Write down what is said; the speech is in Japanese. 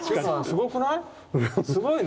すごくない？